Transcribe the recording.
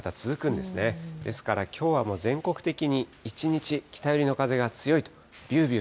ですからきょうは全国的に一日、北寄りの風が強いと、びゅーびゅー